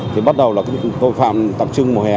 thì bắt đầu là tội phạm tập trung mùa hè